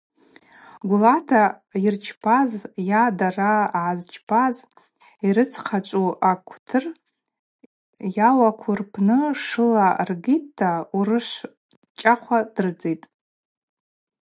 Гвлата йырчпаз йа дара гӏазчпаз, йрыдзхъачӏву акъвтыр йауакву рпны шыла ргитӏта урышв чӏахъва дрыдзитӏ.